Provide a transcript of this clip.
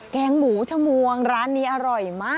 แกงหมูชมวงร้านนี้อร่อยมาก